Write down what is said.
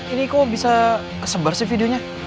ini kok bisa kesebar sih videonya